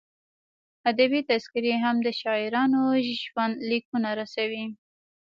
ادبي تذکرې هم د شاعرانو ژوندلیکونه رسوي.